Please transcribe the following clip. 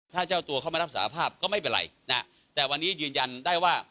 ถ้าเจ้าตัวเข้ามารับสารภาพก็ไม่เป็นไรนะแต่วันนี้ยืนยันได้ว่า